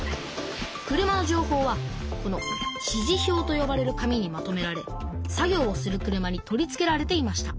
車のじょうほうはこの指示票とよばれる紙にまとめられ作業をする車に取り付けられていました。